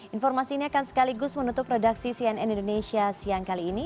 informasi ini akan sekaligus menutup produksi cnn indonesia siang kali ini